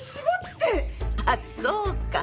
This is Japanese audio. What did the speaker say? あっそうか。